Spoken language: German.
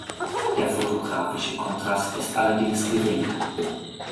Der fotografische Kontrast ist allerdings gering.